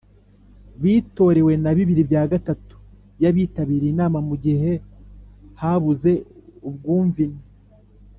bitorewe na bibiri bya gatatu y’abitabiriye inama mu gihe habuze ubwumvine.